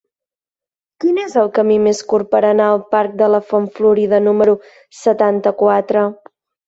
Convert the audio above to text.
Quin és el camí més curt per anar al parc de la Font Florida número setanta-quatre?